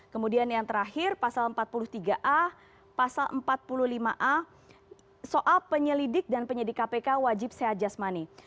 kemudian yang terakhir pasal empat puluh tiga a pasal empat puluh lima a soal penyelidik dan penyidik kpk wajib sehat jasmani